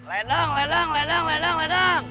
ledang ledang ledang ledang ledang